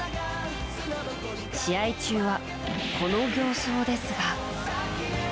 試合中は、この形相ですが。